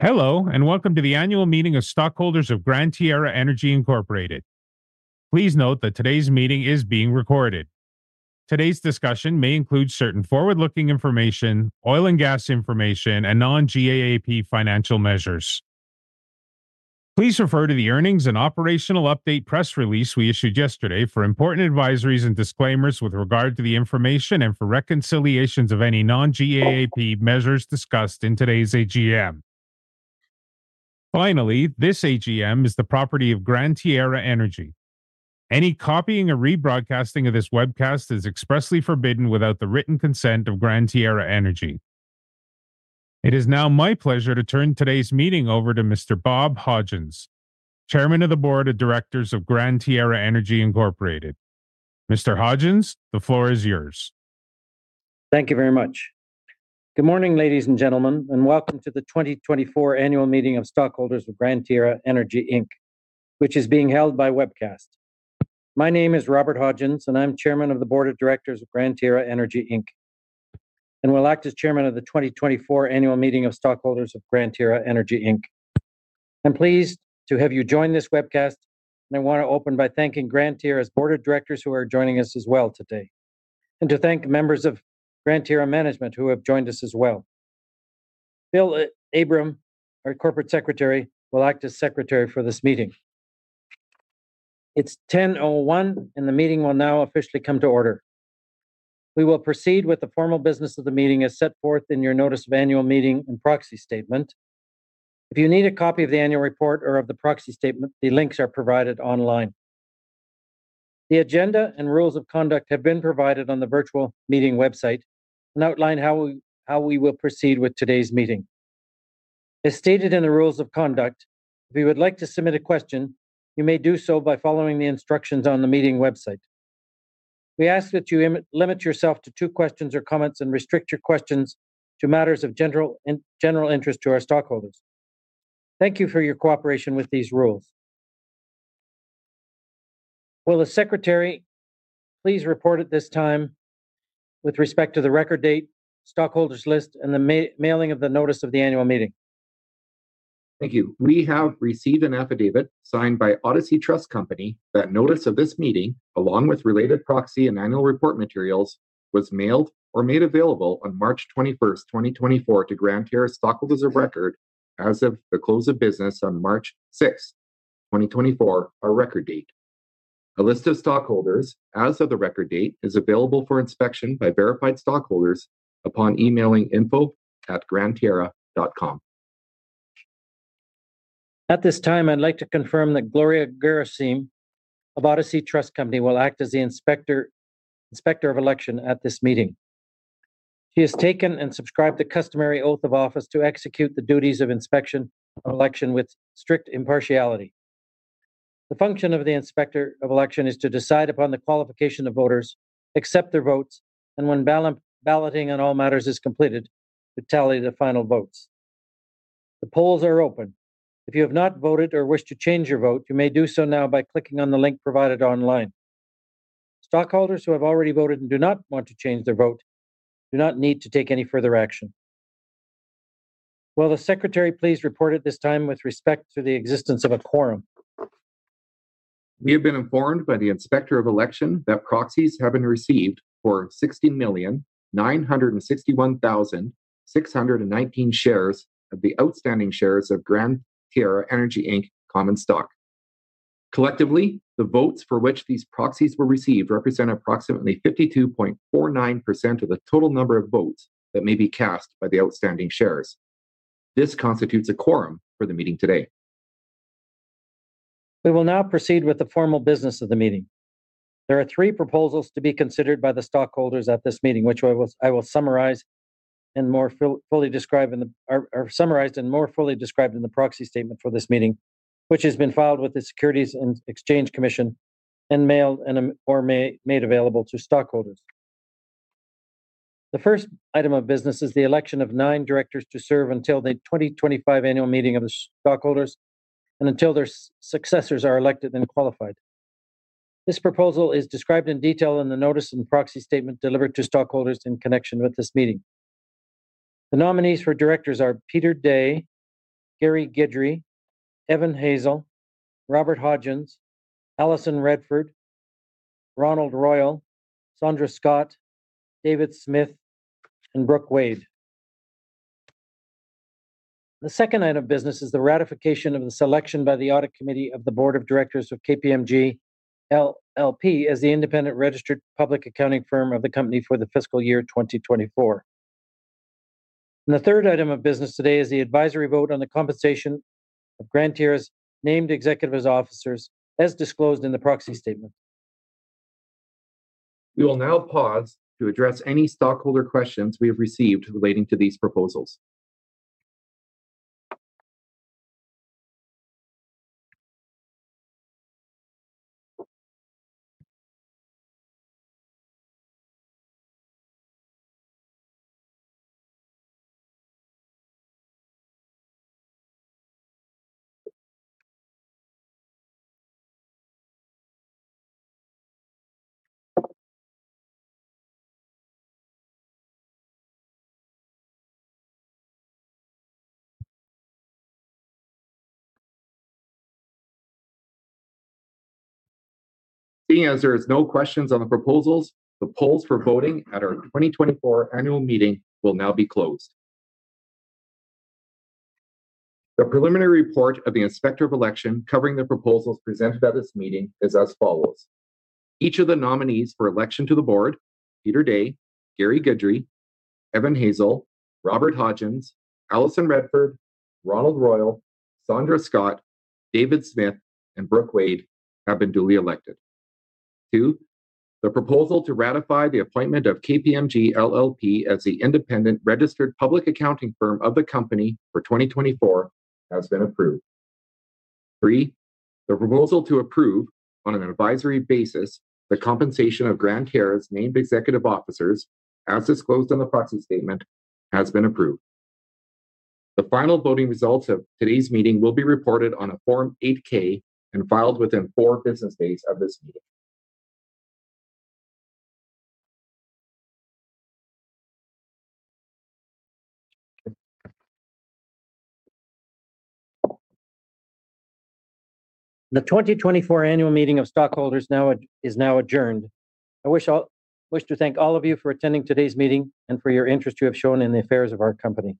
Hello, and welcome to the annual meeting of stockholders of Gran Tierra Energy Incorporated. Please note that today's meeting is being recorded. Today's discussion may include certain forward-looking information, oil and gas information, and non-GAAP financial measures. Please refer to the earnings and operational update press release we issued yesterday for important advisories and disclaimers with regard to the information and for reconciliations of any non-GAAP measures discussed in today's AGM. Finally, this AGM is the property of Gran Tierra Energy. Any copying or rebroadcasting of this webcast is expressly forbidden without the written consent of Gran Tierra Energy. It is now my pleasure to turn today's meeting over to Mr. Robert Hodgins, Chairman of the Board of Directors of Gran Tierra Energy Incorporated. Mr. Hodgins, the floor is yours. Thank you very much. Good morning, ladies and gentlemen, and welcome to the 2024 Annual Meeting of Stockholders of Gran Tierra Energy Inc., which is being held by webcast. My name is Robert Hodgins, and I'm Chairman of the Board of Directors of Gran Tierra Energy Inc., and will act as chairman of the 2024 Annual Meeting of Stockholders of Gran Tierra Energy Inc. I'm pleased to have you join this webcast, and I wanna open by thanking Gran Tierra's board of directors who are joining us as well today, and to thank members of Gran Tierra management who have joined us as well. Phillip Abraham, our corporate secretary, will act as secretary for this meeting. It's 10:01 A.M., and the meeting will now officially come to order. We will proceed with the formal business of the meeting as set forth in your notice of annual meeting and proxy statement. If you need a copy of the annual report or of the proxy statement, the links are provided online. The agenda and rules of conduct have been provided on the virtual meeting website and outline how we will proceed with today's meeting. As stated in the rules of conduct, if you would like to submit a question, you may do so by following the instructions on the meeting website. We ask that you limit yourself to two questions or comments and restrict your questions to matters of general interest to our stockholders. Thank you for your cooperation with these rules. Will the secretary please report at this time with respect to the record date, stockholders list, and the mailing of the notice of the annual meeting? Thank you. We have received an affidavit signed by Odyssey Trust Company that notice of this meeting, along with related proxy and annual report materials, was mailed or made available on March 21, 2024 to Gran Tierra stockholders of record as of the close of business on March 6, 2024, our record date. A list of stockholders as of the record date is available for inspection by verified stockholders upon emailing info@grantierra.com. At this time, I'd like to confirm that Gloria Gerasim of Odyssey Trust Company will act as the inspector, Inspector of Election at this meeting. She has taken and subscribed the customary oath of office to execute the duties of inspector of election with strict impartiality. The function of the Inspector of Election is to decide upon the qualification of voters, accept their votes, and when balloting on all matters is completed, to tally the final votes. The polls are open. If you have not voted or wish to change your vote, you may do so now by clicking on the link provided online. Stockholders who have already voted and do not want to change their vote do not need to take any further action. Will the secretary please report at this time with respect to the existence of a quorum? We have been informed by the Inspector of Election that proxies have been received for 16,961,619 shares of the outstanding shares of Gran Tierra Energy Inc. common stock. Collectively, the votes for which these proxies were received represent approximately 52.49% of the total number of votes that may be cast by the outstanding shares. This constitutes a quorum for the meeting today. We will now proceed with the formal business of the meeting. There are three proposals to be considered by the stockholders at this meeting, which are summarized and more fully described in the proxy statement for this meeting, which has been filed with the Securities and Exchange Commission and mailed or made available to stockholders. The first item of business is the election of nine directors to serve until the 2025 annual meeting of the stockholders and until their successors are elected and qualified. This proposal is described in detail in the notice and proxy statement delivered to stockholders in connection with this meeting. The nominees for directors are Peter Dey, Gary Guidry, Evan Hazell, Robert Hodgins, Alison Redford, Ronald Royal, Sondra Scott, David Smith, and Brooke Wade. The second item of business is the ratification of the selection by the Audit Committee of the Board of Directors of KPMG LLP as the independent registered public accounting firm of the company for the fiscal year 2024. The third item of business today is the advisory vote on the compensation of Gran Tierra's named executive officers, as disclosed in the proxy statement. We will now pause to address any stockholder questions we have received relating to these proposals. ... Seeing as there is no questions on the proposals, the polls for voting at our 2024 annual meeting will now be closed. The preliminary report of the Inspector of Election covering the proposals presented at this meeting is as follows: Each of the nominees for election to the board, Peter Dey, Gary Guidry, Evan Hazell, Robert Hodgins, Allison Redford, Ronald Royal, Sandra Scott, David Smith, and Brooke Wade, have been duly elected. 2, the proposal to ratify the appointment of KPMG LLP as the independent registered public accounting firm of the company for 2024 has been approved. 3, the proposal to approve, on an advisory basis, the compensation of Gran Tierra's named executive officers, as disclosed on the proxy statement, has been approved. The final voting results of today's meeting will be reported on a Form 8-K and filed within 4 business days of this meeting. The 2024 annual meeting of stockholders is now adjourned. I wish to thank all of you for attending today's meeting and for your interest you have shown in the affairs of our company.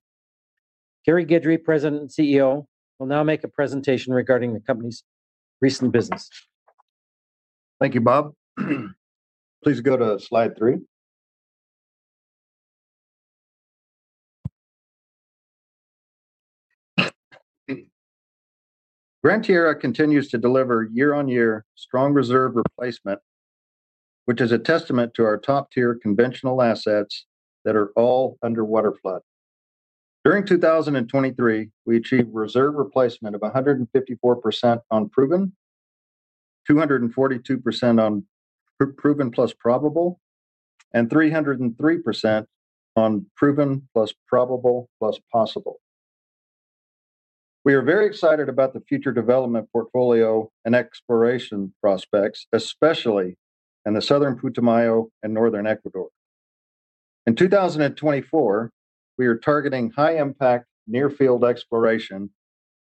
Gary Guidry, President and CEO, will now make a presentation regarding the company's recent business. Thank you, Bob. Please go to slide 3. Gran Tierra continues to deliver year-on-year strong reserve replacement, which is a testament to our top-tier conventional assets that are all under waterflood. During 2023, we achieved reserve replacement of 154% on proven, 242% on proven plus probable, and 303% on proven plus probable plus possible. We are very excited about the future development portfolio and exploration prospects, especially in the southern Putumayo and northern Ecuador. In 2024, we are targeting high-impact, near-field exploration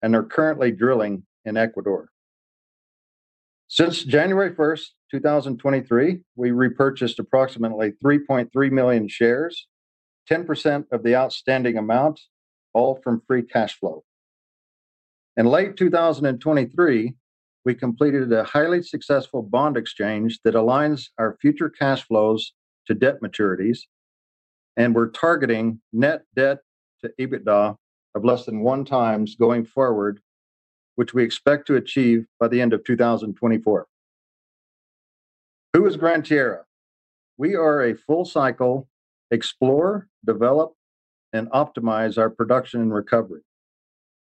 and are currently drilling in Ecuador. Since January 1, 2023, we repurchased approximately 3.3 million shares, 10% of the outstanding amount, all from free cash flow. In late 2023, we completed a highly successful bond exchange that aligns our future cash flows to debt maturities, and we're targeting net debt to EBITDA of less than 1x going forward, which we expect to achieve by the end of 2024. Who is Gran Tierra? We are a full cycle explorer, develop and optimize our production and recovery.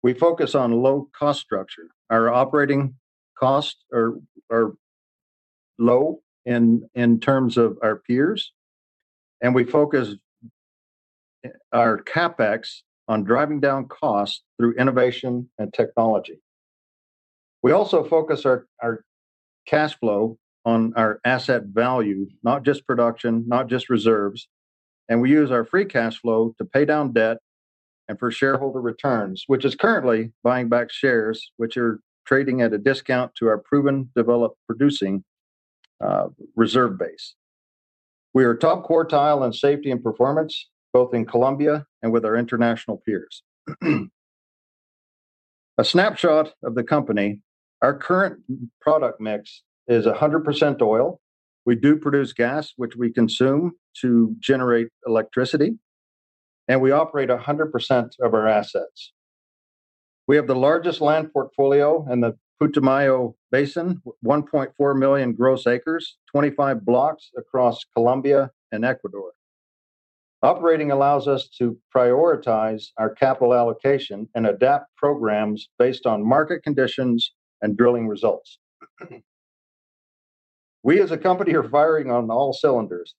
We focus on low cost structure. Our operating costs are low in terms of our peers, and we focus our CapEx on driving down costs through innovation and technology. We also focus our cash flow on our asset value, not just production, not just reserves, and we use our free cash flow to pay down debt and for shareholder returns, which is currently buying back shares, which are trading at a discount to our proven, developed, producing reserve base. We are top quartile in safety and performance, both in Colombia and with our international peers. A snapshot of the company. Our current product mix is 100% oil. We do produce gas, which we consume to generate electricity, and we operate 100% of our assets. We have the largest land portfolio in the Putumayo Basin, 1.4 million gross acres, 25 blocks across Colombia and Ecuador. Operating allows us to prioritize our capital allocation and adapt programs based on market conditions and drilling results. We, as a company, are firing on all cylinders.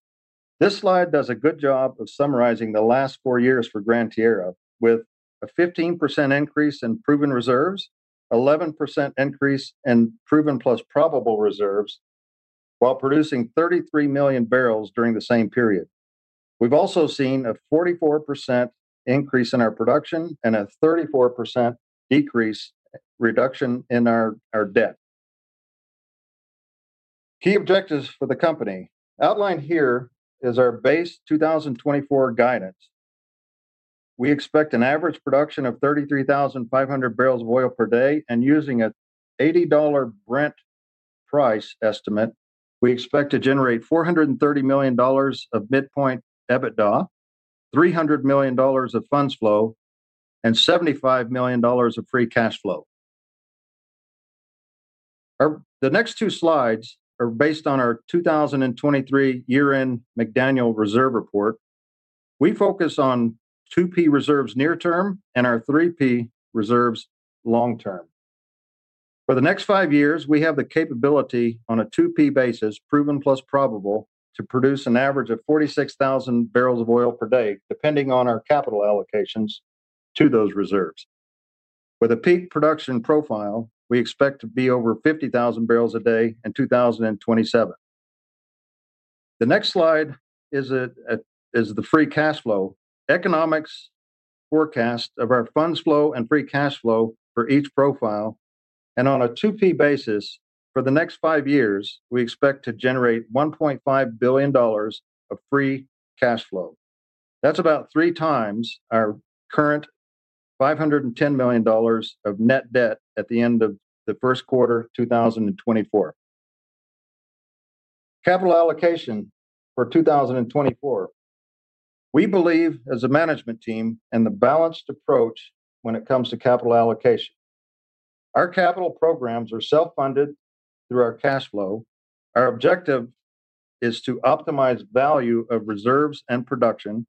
This slide does a good job of summarizing the last four years for Gran Tierra, with a 15% increase in proven reserves, 11% increase in proven plus probable reserves, while producing 33 million barrels during the same period. We've also seen a 44% increase in our production and a 34% decrease, reduction in our debt. Key objectives for the company. Outlined here is our base 2024 guidance. We expect an average production of 33,500 barrels of oil per day, and using an $80 Brent price estimate, we expect to generate $430 million of midpoint EBITDA, $300 million of funds flow, and $75 million of free cash flow. Our—The next two slides are based on our 2023 year-end McDaniel reserve report. We focus on 2P reserves near term and our 3P reserves long term. For the next five years, we have the capability on a 2P basis, proven plus probable, to produce an average of 46,000 barrels of oil per day, depending on our capital allocations to those reserves. With a peak production profile, we expect to be over 50,000 barrels a day in 2027. The next slide is a, is the free cash flow economics forecast of our funds flow and free cash flow for each profile, and on a 2P basis, for the next five years, we expect to generate $1.5 billion of free cash flow. That's about three times our current $510 million of net debt at the end of the Q1 2024. Capital allocation for 2024. We believe, as a management team, in the balanced approach when it comes to capital allocation. Our capital programs are self-funded through our cash flow. Our objective is to optimize value of reserves and production,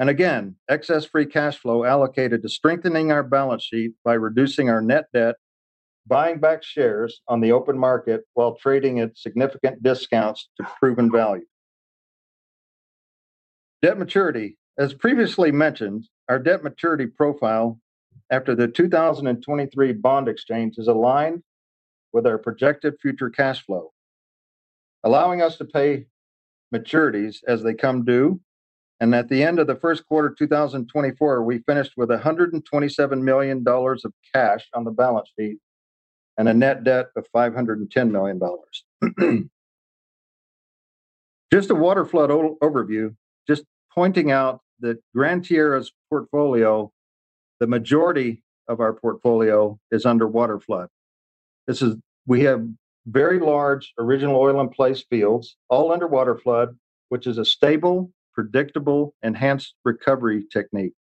and again, excess free cash flow allocated to strengthening our balance sheet by reducing our net debt, buying back shares on the open market while trading at significant discounts to proven value. Debt maturity. As previously mentioned, our debt maturity profile after the 2023 bond exchange is aligned with our projected future cash flow, allowing us to pay maturities as they come due. At the end of the Q1, 2024, we finished with $127 million of cash on the balance sheet and a net debt of $510 million. Just a waterflood overview, just pointing out that Gran Tierra's portfolio, the majority of our portfolio is under waterflood. We have very large original oil in place fields, all under waterflood, which is a stable, predictable, enhanced recovery technique.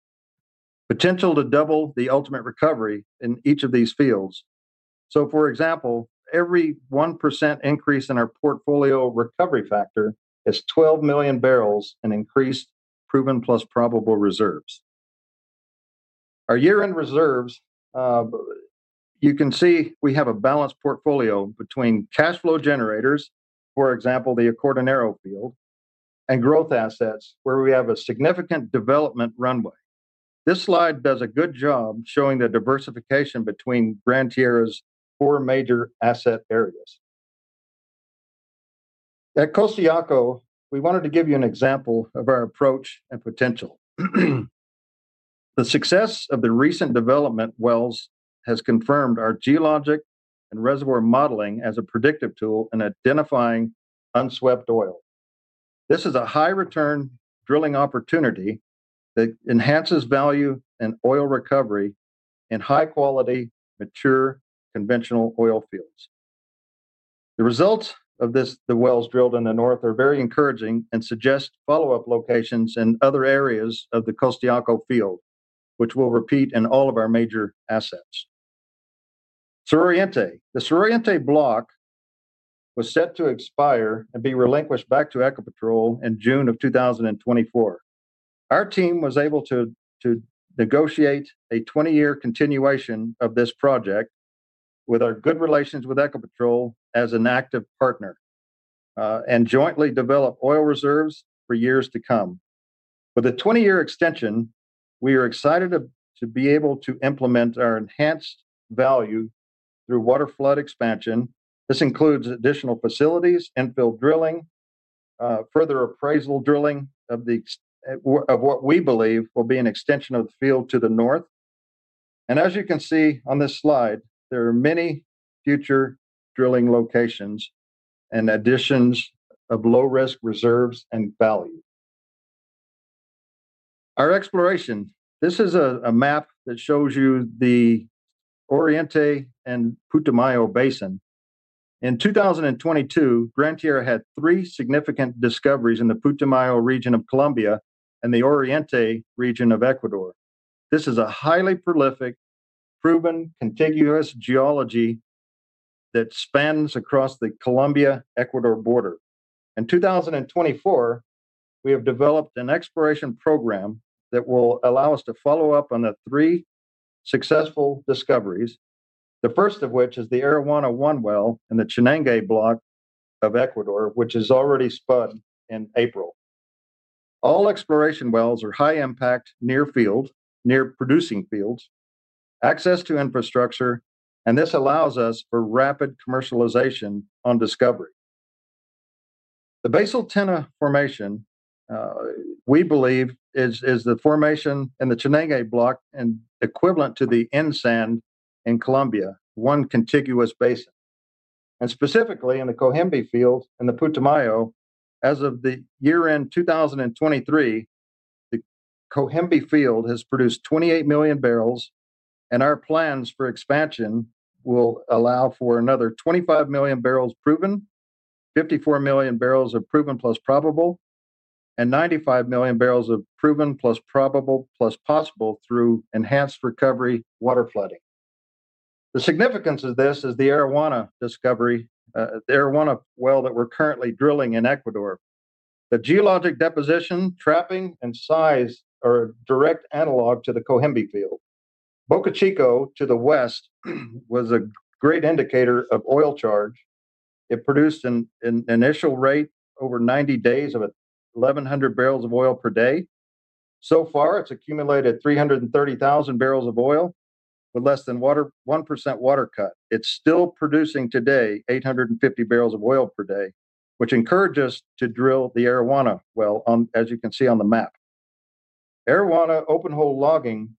Potential to double the ultimate recovery in each of these fields. So, for example, every 1% increase in our portfolio recovery factor is 12 million barrels in increased proven plus probable reserves. Our year-end reserves, you can see we have a balanced portfolio between cash flow generators, for example, the Acordionero field, and growth assets, where we have a significant development runway. This slide does a good job showing the diversification between Gran Tierra's four major asset areas. At Costayaco, we wanted to give you an example of our approach and potential. The success of the recent development wells has confirmed our geologic and reservoir modeling as a predictive tool in identifying unswept oil. This is a high-return drilling opportunity that enhances value and oil recovery in high-quality, mature, conventional oil fields. The results of this, the wells drilled in the north, are very encouraging and suggest follow-up locations in other areas of the Costayaco field, which we'll repeat in all of our major assets. Sur Oriente. The Sur Oriente block was set to expire and be relinquished back to Ecopetrol in June of 2024. Our team was able to negotiate a 20-year continuation of this project with our good relations with Ecopetrol as an active partner, and jointly develop oil reserves for years to come. With a 20-year extension, we are excited to be able to implement our enhanced value through waterflood expansion. This includes additional facilities, infill drilling, further appraisal drilling of what we believe will be an extension of the field to the north. As you can see on this slide, there are many future drilling locations and additions of low-risk reserves and value. Our exploration. This is a map that shows you the Oriente and Putumayo basins. In 2022, Gran Tierra had three significant discoveries in the Putumayo region of Colombia and the Oriente region of Ecuador. This is a highly prolific, proven, contiguous geology that spans across the Colombia-Ecuador border. In 2024, we have developed an exploration program that will allow us to follow up on the three successful discoveries, the first of which is the Arawana-1 well in the Chanangue block of Ecuador, which is already spud in April. All exploration wells are high impact, near field, near producing fields, access to infrastructure, and this allows us for rapid commercialization on discovery. The Basal Tena formation, we believe is, is the formation in the Chanangue block and equivalent to the N-Sand in Colombia, one contiguous basin. And specifically in the Cohembi field, in the Putumayo, as of the year-end 2023, the Cohembi field has produced 28 million barrels, and our plans for expansion will allow for another 25 million barrels proven, 54 million barrels of proven plus probable, and 95 million barrels of proven plus probable plus possible through enhanced recovery waterflooding. The significance of this is the Arawana discovery, the Arawana well that we're currently drilling in Ecuador. The geologic deposition, trapping, and size are a direct analog to the Cohembi field. Bocachico, to the west, was a great indicator of oil charge.... It produced an initial rate over 90 days of 1,100 barrels of oil per day. So far, it's accumulated 330,000 barrels of oil, with less than 1% water cut. It's still producing today 850 barrels of oil per day, which encouraged us to drill the Arawana well, as you can see on the map. Arawana open hole logging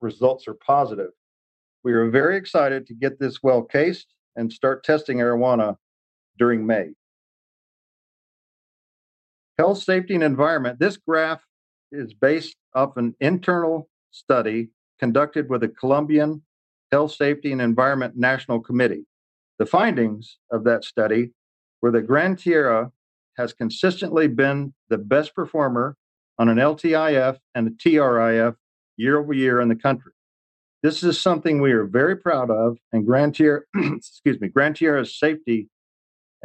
results are positive. We are very excited to get this well cased and start testing Arawana during May. Health, safety, and environment. This graph is based off an internal study conducted with the Colombian Health, Safety, and Environment National Committee. The findings of that study were that Gran Tierra has consistently been the best performer on an LTIF and a TRIF year over year in the country. This is something we are very proud of, and Gran Tierra, excuse me, Gran Tierra's safety,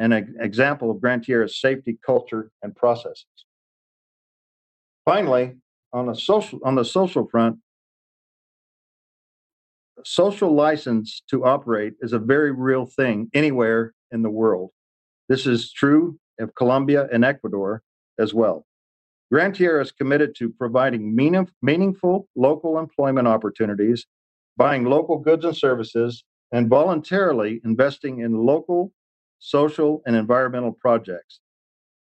an example of Gran Tierra's safety culture and processes. Finally, on a social, on the social front, social license to operate is a very real thing anywhere in the world. This is true of Colombia and Ecuador as well. Gran Tierra is committed to providing meaningful local employment opportunities, buying local goods and services, and voluntarily investing in local, social, and environmental projects.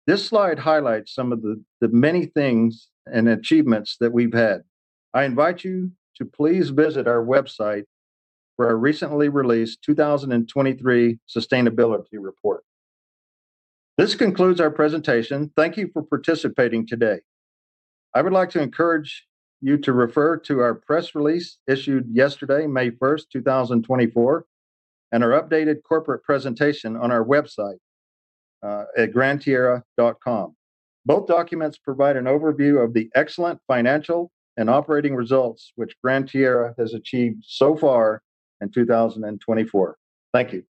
This slide highlights some of the many things and achievements that we've had. I invite you to please visit our website for our recently released 2023 sustainability report. This concludes our presentation. Thank you for participating today. I would like to encourage you to refer to our press release issued yesterday, May 1, 2024, and our updated corporate presentation on our website at grantierra.com. Both documents provide an overview of the excellent financial and operating results which Gran Tierra has achieved so far in 2024. Thank you.